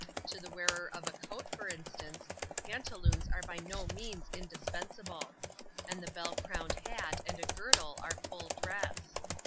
To the wearer of a coat, for instance, pantaloons are by no means indispensable ; and a bell crowned hat and a girdle are full dress.